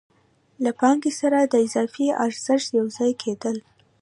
له پانګې سره د اضافي ارزښت یو ځای کېدل